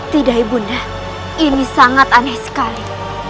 tidak ibunda ini sangat aneh sekali